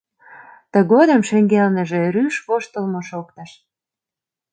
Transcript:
Тыгодым шеҥгелныже рӱж воштылмо шоктыш.